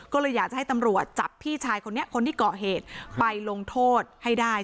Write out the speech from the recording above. ก็เลยอยากจะให้ตำรวจจับพี่ชายคนนี้คนที่เกาะเหตุไปลงโทษให้ได้